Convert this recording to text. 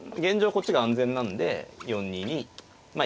こっちが安全なんで４二にまあ